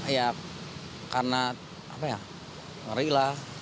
ya karena apa ya marilah